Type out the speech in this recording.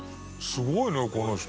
すごいねこの人。